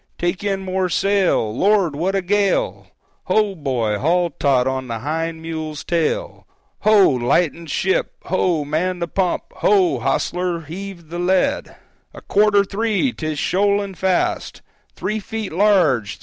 Take in more sail! Lord, what a gale! Ho, boy, haul taut on the hind mule's tail!" 372.jpg (105K) "Ho! lighten ship! ho! man the pump! Ho, hostler, heave the lead!" "A quarter three!—'tis shoaling fast! Three feet large!